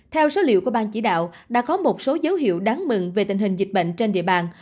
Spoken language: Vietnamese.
theo số liệu của ban chỉ đạo đã có một số dấu hiệu đáng mừng về tình hình dịch bệnh trên địa bàn